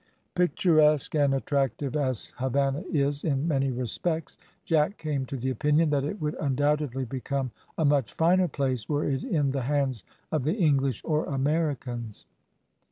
Picturesque and attractive as Havannah is in many respects, Jack came to the opinion that it would undoubtedly become a much finer place were it in the hands of the English or Americans.